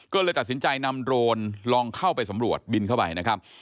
ก็เลยตัดสินใจนำโรนลองเข้าไปสำรวจบินเข้าไปนะครับ